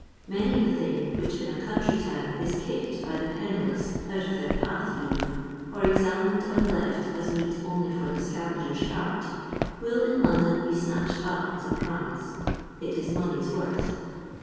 Many a thing which in a country town is kicked by the penniless out of their path even, or examined and left as meet only for the scavenger's cart, will in London be snatched up as a prize ; it is money's worth.